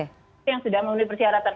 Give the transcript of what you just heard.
itu yang sudah memenuhi persyaratan